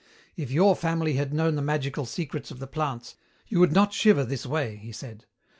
"If your family had known the magical secrets of the plants, you would not shiver this way," he said.